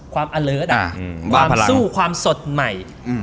ความสู้ความสดใหม่